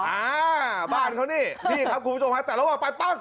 อ่าบ้านเขานี่นี่ครับคุณผู้ชมฮะแต่ระหว่างไปปั้ง